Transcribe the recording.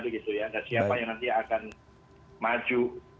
dan siapa yang nanti akan maju